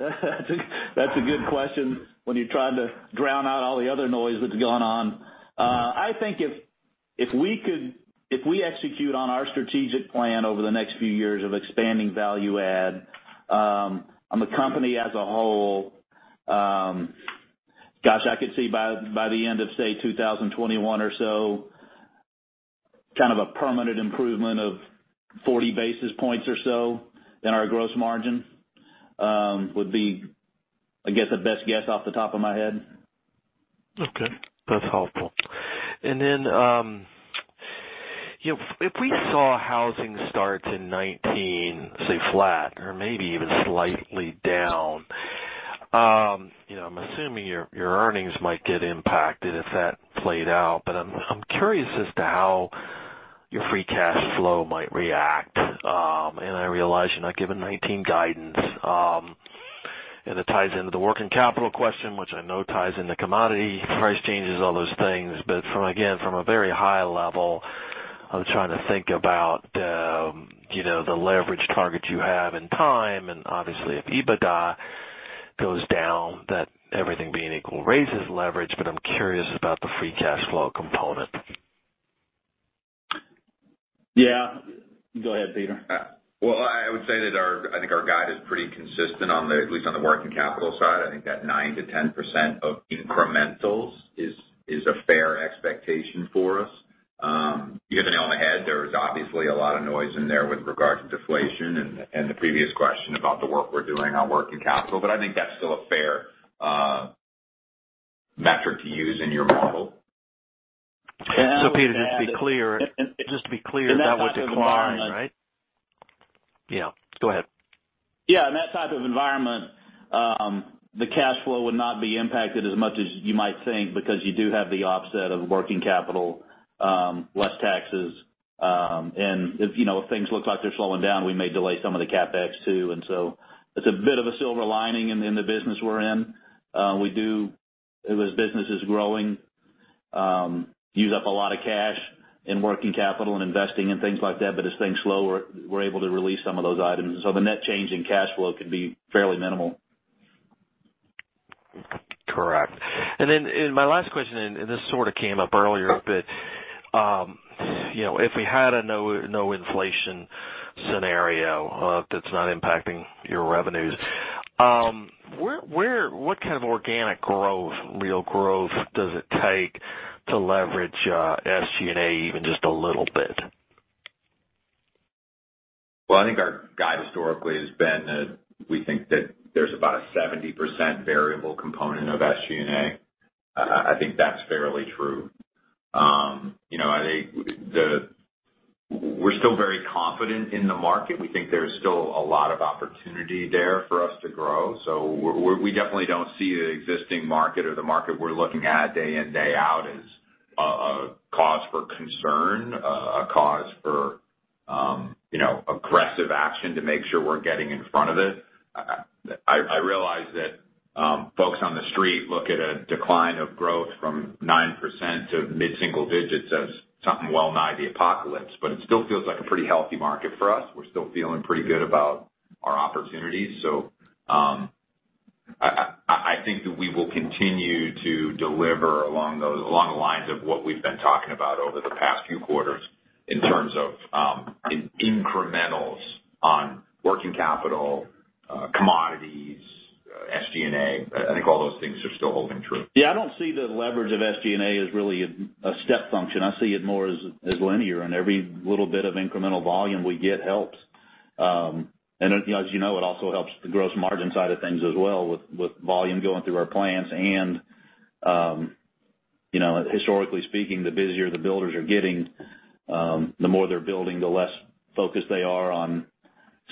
That's a good question when you're trying to drown out all the other noise that's gone on. I think if we execute on our strategic plan over the next few years of expanding value add on the company as a whole, gosh, I could see by the end of, say, 2021 or so, kind of a permanent improvement of 40 basis points or so in our gross margin would be, I guess, a best guess off the top of my head. Okay. That's helpful. If we saw housing starts in 2019, say, flat or maybe even slightly down, I'm assuming your earnings might get impacted if that played out. I'm curious as to how your free cash flow might react. I realize you're not giving 2019 guidance. It ties into the working capital question, which I know ties into commodity price changes, all those things. Again, from a very high level, I was trying to think about the leverage targets you have in time, and obviously, if EBITDA goes down, that everything being equal raises leverage, but I'm curious about the free cash flow component. Yeah. Go ahead, Peter. Well, I would say that I think our guide is pretty consistent, at least on the working capital side. I think that 9%-10% of incrementals is a fair expectation for us. You hit the nail on the head. There is obviously a lot of noise in there with regard to deflation and the previous question about the work we're doing on working capital. I think that's still a fair metric to use in your model. Peter, just to be clear, that would decline, right? Yeah, go ahead. Yeah. In that type of environment, the cash flow would not be impacted as much as you might think because you do have the offset of working capital, less taxes, and if things look like they're slowing down, we may delay some of the CapEx too. It's a bit of a silver lining in the business we're in. As business is growing, use up a lot of cash in working capital and investing and things like that, but as things slow, we're able to release some of those items. The net change in cash flow can be fairly minimal. Correct. My last question, and this sort of came up earlier a bit. If we had a no inflation scenario that's not impacting your revenues, what kind of organic growth, real growth does it take to leverage SG&A even just a little bit? Well, I think our guide historically has been that we think that there's about a 70% variable component of SG&A. I think that's fairly true. We're still very confident in the market. We think there's still a lot of opportunity there for us to grow. We definitely don't see the existing market or the market we're looking at day in, day out as a cause for concern, a cause for aggressive action to make sure we're getting in front of it. I realize that folks on the street look at a decline of growth from 9% to mid-single digits as something well-nigh the apocalypse, it still feels like a pretty healthy market for us. We're still feeling pretty good about our opportunities. I think that we will continue to deliver along the lines of what we've been talking about over the past few quarters in terms of incrementals on working capital, commodities, SG&A. I think all those things are still holding true. I don't see the leverage of SG&A as really a step function. I see it more as linear, every little bit of incremental volume we get helps. As you know, it also helps the gross margin side of things as well with volume going through our plants and, historically speaking, the busier the builders are getting, the more they're building, the less focused they are on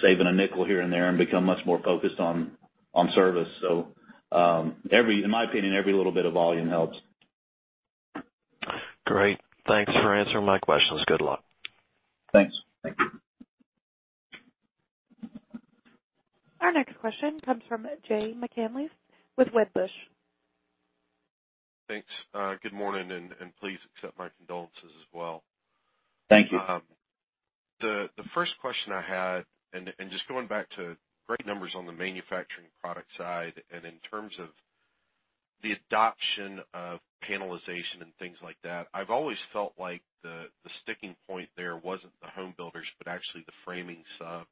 saving a nickel here and there and become much more focused on service. In my opinion, every little bit of volume helps. Great. Thanks for answering my questions. Good luck. Thanks. Thank you. Our next question comes from Jay McCanless with Wedbush. Thanks. Good morning, please accept my condolences as well. Thank you. The first question I had, and just going back to great numbers on the manufacturing product side, and in terms of the adoption of panelization and things like that, I've always felt like the sticking point there wasn't the home builders, but actually the framing subs.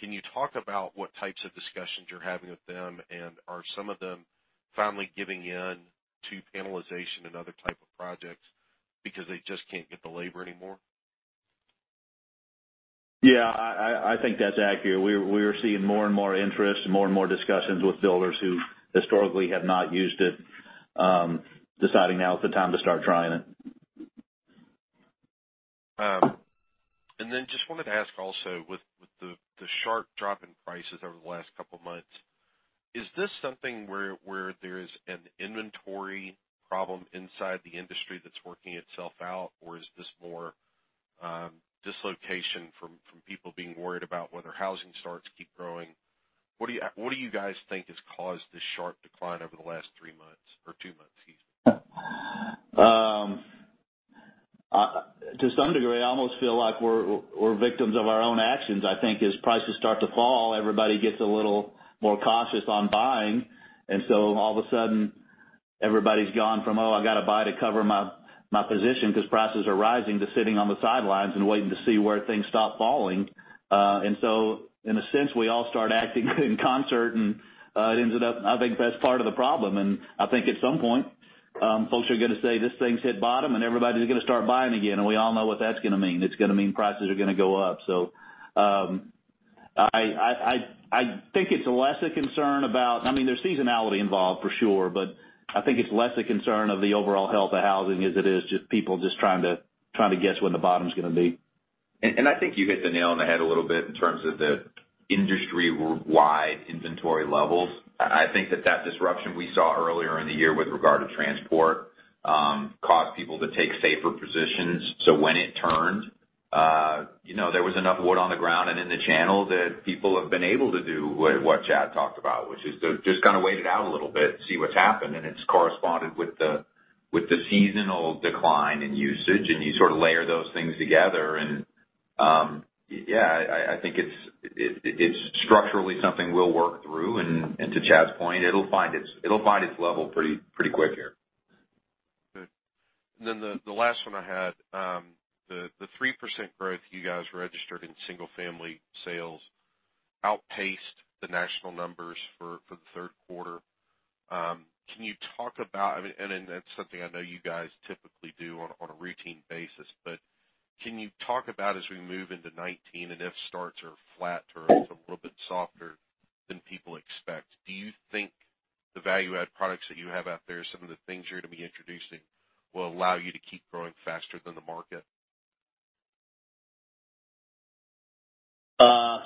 Can you talk about what types of discussions you're having with them? Are some of them finally giving in to panelization and other type of projects because they just can't get the labor anymore? Yeah, I think that's accurate. We are seeing more and more interest and more and more discussions with builders who historically have not used it, deciding now is the time to start trying it. Just wanted to ask also with the sharp drop in prices over the last couple of months, is this something where there is an inventory problem inside the industry that's working itself out? Or is this more dislocation from people being worried about whether housing starts keep growing? What do you guys think has caused this sharp decline over the last three months, or two months, excuse me? To some degree, I almost feel like we're victims of our own actions. I think as prices start to fall, everybody gets a little more cautious on buying, all of a sudden everybody's gone from, "Oh, I got to buy to cover my position because prices are rising," to sitting on the sidelines and waiting to see where things stop falling. In a sense, we all start acting in concert and it ends up, I think, that's part of the problem. I think at some point, folks are going to say, "This thing's hit bottom," everybody's going to start buying again. We all know what that's going to mean. It's going to mean prices are going to go up. I think it's less a concern about there's seasonality involved for sure, but I think it's less a concern of the overall health of housing as it is just people just trying to guess when the bottom's going to be. I think you hit the nail on the head a little bit in terms of the industry-wide inventory levels. I think that that disruption we saw earlier in the year with regard to transport caused people to take safer positions. When it turned, there was enough wood on the ground and in the channel that people have been able to do what Chad talked about, which is to just kind of wait it out a little bit, see what's happened, it's corresponded with the seasonal decline in usage, you sort of layer those things together. Yeah, I think it's structurally something we'll work through and to Chad's point, it'll find its level pretty quick here. Good. The last one I had the 3% growth you guys registered in single-family sales outpaced the national numbers for the third quarter. Can you talk about, and that's something I know you guys typically do on a routine basis, but can you talk about as we move into 2019, if starts are flat or a little bit softer than people expect, do you think the value-add products that you have out there, some of the things you're going to be introducing, will allow you to keep growing faster than the market?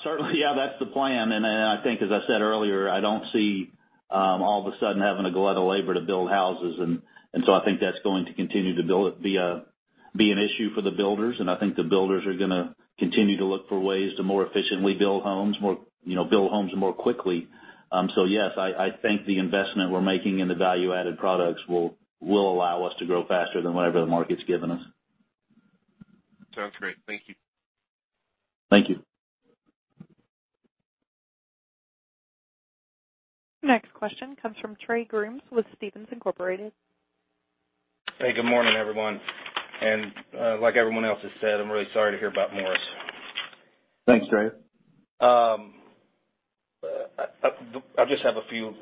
Certainly, yeah, that's the plan. I think, as I said earlier, I don't see all of a sudden having a glut of labor to build houses. I think that's going to continue to be an issue for the builders. I think the builders are going to continue to look for ways to more efficiently build homes more quickly. Yes, I think the investment we're making in the value-added products will allow us to grow faster than whatever the market's given us. Sounds great. Thank you. Thank you. Next question comes from Trey Grooms with Stephens Inc.. Like everyone else has said, I'm really sorry to hear about Morris. Thanks, Trey. I just have a few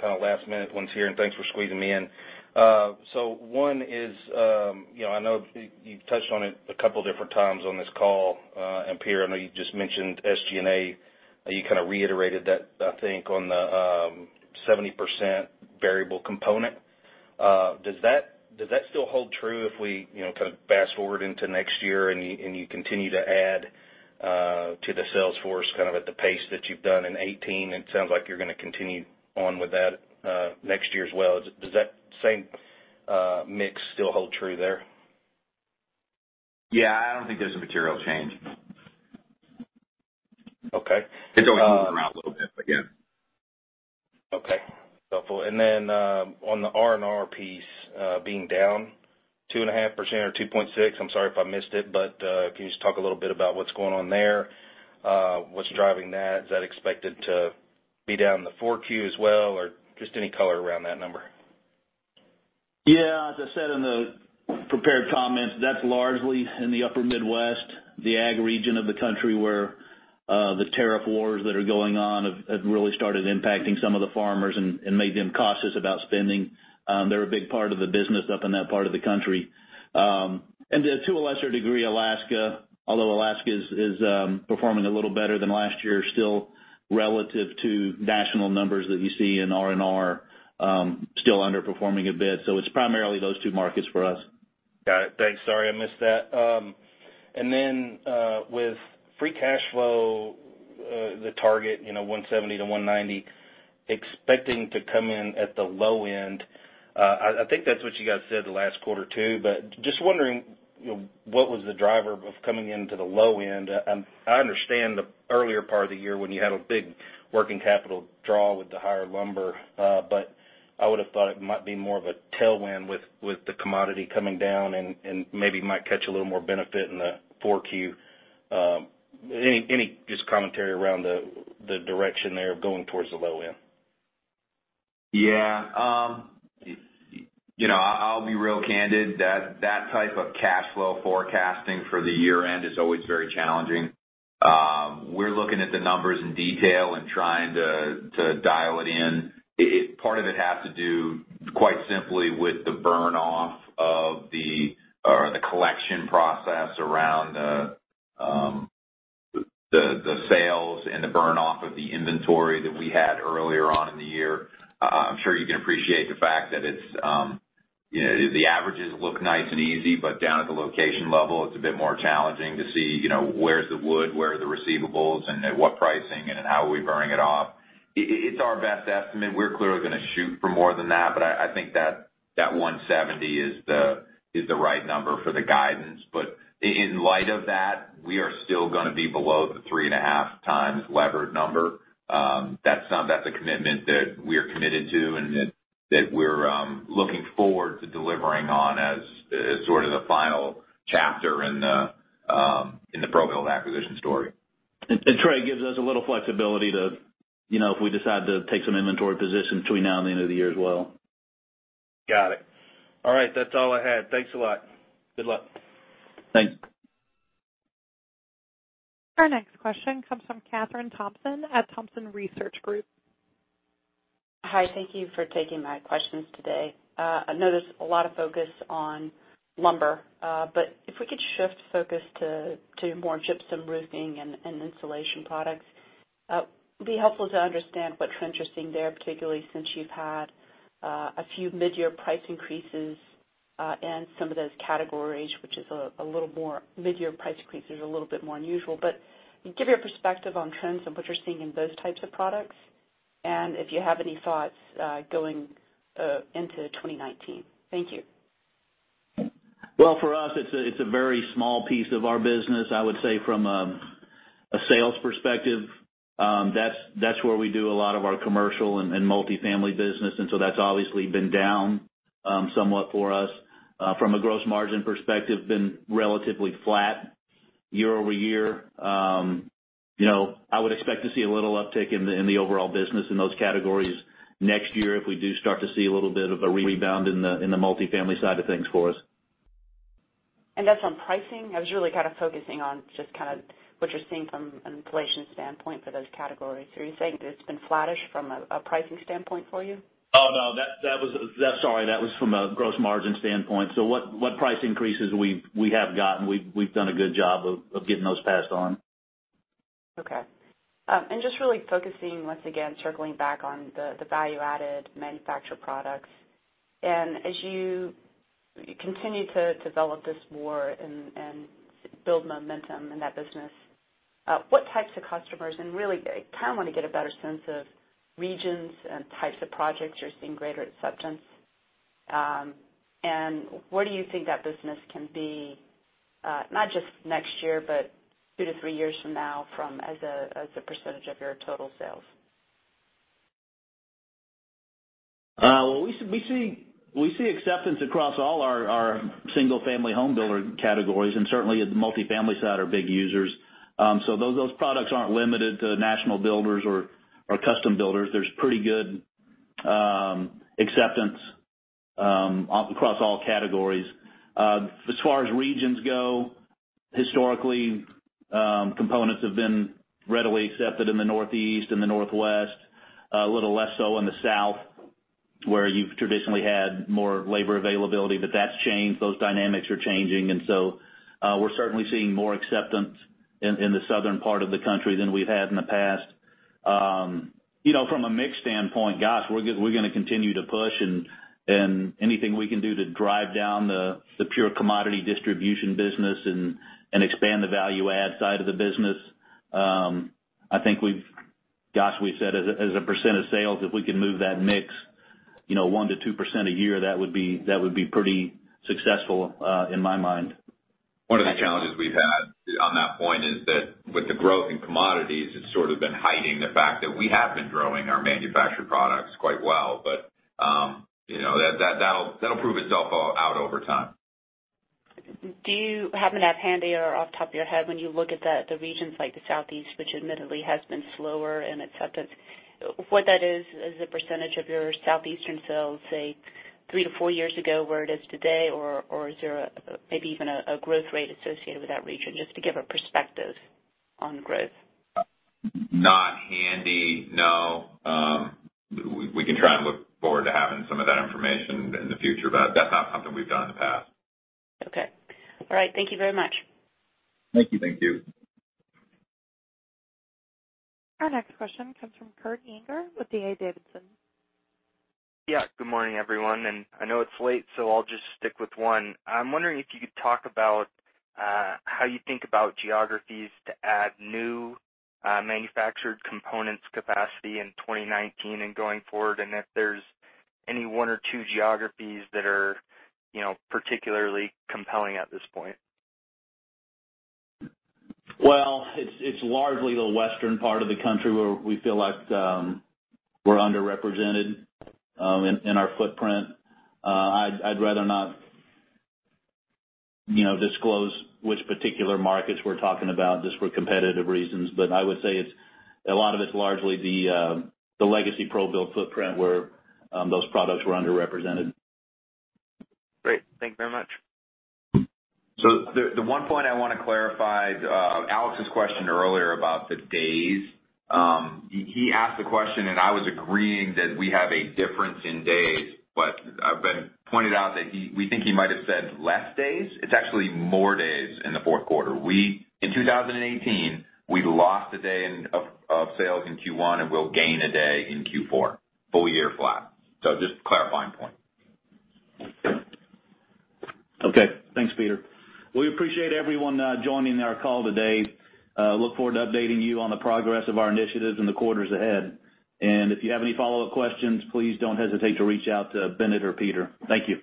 kind of last-minute ones here, and thanks for squeezing me in. One is, I know you touched on it a couple different times on this call, and Peter, I know you just mentioned SG&A, you kind of reiterated that I think on the 70% variable component. Does that still hold true if we kind of fast-forward into next year and you continue to add to the sales force kind of at the pace that you've done in 2018? It sounds like you're going to continue on with that next year as well. Does that same mix still hold true there? Yeah, I don't think there's a material change. Okay. It's only move around a little bit, but yeah. Okay. Helpful. Then, on the R&R piece, being down 2.5% or 2.6, I'm sorry if I missed it, but can you just talk a little bit about what's going on there? What's driving that? Is that expected to be down in the 4Q as well, or just any color around that number? Yeah. As I said in the prepared comments, that's largely in the upper Midwest, the ag region of the country where the tariff wars that are going on have really started impacting some of the farmers and made them cautious about spending. They're a big part of the business up in that part of the country. To a lesser degree, Alaska, although Alaska is performing a little better than last year, still relative to national numbers that you see in R&R, still underperforming a bit. It's primarily those two markets for us. Got it. Thanks. Sorry, I missed that. With free cash flow, the target, $170 million-$190 million, expecting to come in at the low end. I think that's what you guys said the last quarter, too, but just wondering what was the driver of coming into the low end. I understand the earlier part of the year when you had a big working capital draw with the higher lumber. I would've thought it might be more of a tailwind with the commodity coming down and maybe might catch a little more benefit in the 4Q. Any just commentary around the direction there of going towards the low end? Yeah. I'll be real candid. That type of cash flow forecasting for the year-end is always very challenging. We're looking at the numbers in detail and trying to dial it in. Part of it has to do, quite simply, with the burn-off of the collection process around the sales and the burn-off of the inventory that we had earlier on in the year. I'm sure you can appreciate the fact that the averages look nice and easy, but down at the location level, it's a bit more challenging to see where's the wood, where are the receivables, and at what pricing, and how are we burning it off. It's our best estimate. We're clearly going to shoot for more than that, but I think that $170 million is the right number for the guidance. In light of that, we are still going to be below the 3.5 times levered number. That's a commitment that we are committed to and that we're looking forward to delivering on as sort of the final chapter in the ProBuild acquisition story. Trey, it gives us a little flexibility if we decide to take some inventory positions between now and the end of the year as well. Got it. All right, that's all I had. Thanks a lot. Good luck. Thanks. Our next question comes from Kathryn Thompson at Thompson Research Group. Hi. Thank you for taking my questions today. I know there's a lot of focus on lumber. If we could shift focus to more gypsum roofing and insulation products. It'd be helpful to understand what trends you're seeing there, particularly since you've had a few mid-year price increases in some of those categories, mid-year price increases are a little bit more unusual. Can you give your perspective on trends and what you're seeing in those types of products? If you have any thoughts going into 2019. Thank you. For us, it's a very small piece of our business. I would say from a sales perspective, that's where we do a lot of our commercial and multi-family business. That's obviously been down somewhat for us. From a gross margin perspective, been relatively flat year-over-year. I would expect to see a little uptick in the overall business in those categories next year if we do start to see a little bit of a rebound in the multi-family side of things for us. That's on pricing? I was really kind of focusing on just kind of what you're seeing from an inflation standpoint for those categories. Are you saying that it's been flattish from a pricing standpoint for you? Oh, no. Sorry. That was from a gross margin standpoint. What price increases we have gotten, we've done a good job of getting those passed on. Okay. Just really focusing, once again, circling back on the value-added manufactured products. As you continue to develop this more and build momentum in that business, what types of customers, and really I kind of want to get a better sense of regions and types of projects you're seeing greater acceptance. Where do you think that business can be, not just next year, but two to three years from now as a % of your total sales? We see acceptance across all our single-family home builder categories, and certainly the multi-family side are big users. Those products aren't limited to national builders or custom builders. There's pretty good acceptance across all categories. As far as regions go, historically, components have been readily accepted in the Northeast and the Northwest, a little less so in the South, where you've traditionally had more labor availability. That's changed. Those dynamics are changing, we're certainly seeing more acceptance in the Southern part of the country than we've had in the past. From a mix standpoint, gosh, we're going to continue to push and anything we can do to drive down the pure commodity distribution business and expand the value add side of the business. I think gosh, we've said as a percent of sales, if we can move that mix 1%-2% a year, that would be pretty successful in my mind. One of the challenges we've had on that point is that with the growth in commodities, it's sort of been hiding the fact that we have been growing our manufactured products quite well. That'll prove itself out over time. Do you happen to have handy or off the top of your head when you look at the regions like the Southeast, which admittedly has been slower in acceptance, what that is as a percentage of your Southeastern sales, say 3-4 years ago, where it is today? Is there maybe even a growth rate associated with that region, just to give a perspective on growth? Not handy, no. We can try and look forward to having some of that information in the future, but that's not something we've done in the past. Okay. All right. Thank you very much. Thank you. Thank you. Our next question comes from Kurt Yinger with D.A. Davidson. Yeah. Good morning, everyone, and I know it's late, so I'll just stick with one. I'm wondering if you could talk about how you think about geographies to add new manufactured components capacity in 2019 and going forward, and if there's any one or two geographies that are particularly compelling at this point. Well, it's largely the Western part of the country where we feel like we're underrepresented in our footprint. I'd rather not disclose which particular markets we're talking about just for competitive reasons. I would say a lot of it's largely the legacy ProBuild footprint where those products were underrepresented. Great. Thank you very much. The one point I want to clarify Alex's question earlier about the days. He asked the question, and I was agreeing that we have a difference in days. I've been pointed out that we think he might have said less days. It's actually more days in the fourth quarter. In 2018, we lost a day of sales in Q1, and we'll gain a day in Q4, full year flat. Just a clarifying point. Okay. Thanks, Peter. Well, we appreciate everyone joining our call today. Look forward to updating you on the progress of our initiatives in the quarters ahead. If you have any follow-up questions, please don't hesitate to reach out to Bennett or Peter. Thank you.